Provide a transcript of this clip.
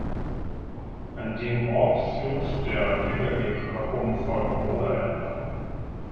An dem Ort fürth der Pilgerweg Loccum–Volkenroda entlang.